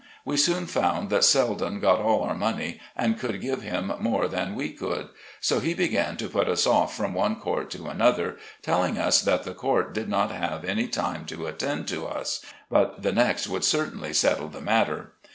We soon found that Seldon got all our money, and could give him more than we could ; so he began to put us off from one court to another, telling us that the court did not have time to attend to us, but the next would certainly settle the matter.